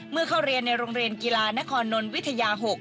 เข้าเรียนในโรงเรียนกีฬานครนนทวิทยา๖